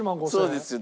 そうですよ。